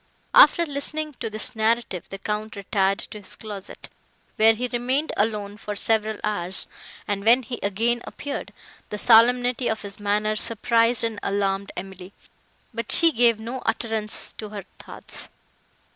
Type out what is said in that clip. After listening to this narrative, the Count retired to his closet, where he remained alone for several hours; and, when he again appeared, the solemnity of his manner surprised and alarmed Emily, but she gave no utterance to her thoughts.